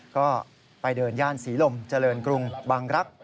ก็ไปเดินย่านศรีลมเจริญกรุงบางรักษ